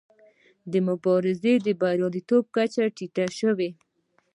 د مبارزو د بریالیتوب کچه ټیټه شوې.